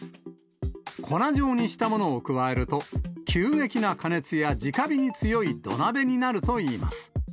粉状にしたものを加えると、急激な加熱やじか火に強い土鍋になるといいます。